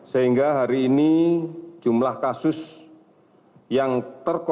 sehingga hari ini jumlah kasus yang terkoneksi